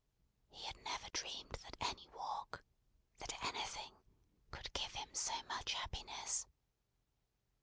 He had never dreamed that any walk that anything could give him so much happiness.